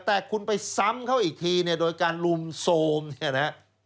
แต่คุณไปซ้ำเขาอีกทีโดยการรุมโสมนี่นะ